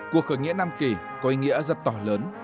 cuộc khởi nghĩa nam kỳ có ý nghĩa rất to lớn